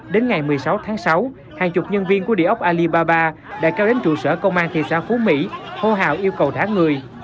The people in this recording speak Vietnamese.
đến ngày một mươi sáu tháng sáu hàng chục nhân viên của địa ốc alibaba đã kéo đến trụ sở công an thị xã phú mỹ hô hào yêu cầu thả người